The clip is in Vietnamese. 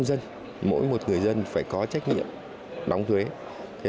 với công dân mỗi một người dân phải có trách nhiệm đóng thuế